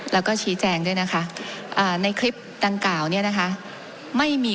แล้วก็ชี้แจงด้วยนะคะในคลิปดังกล่าวเนี่ยนะคะไม่มี